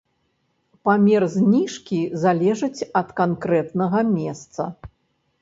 Памер зніжкі залежыць ад канкрэтнага месца.